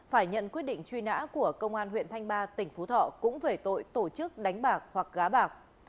phải nhận quyết định truy nã của công an huyện thanh ba tỉnh phú thọ cũng về tội tổ chức đánh bạc hoặc gá bạc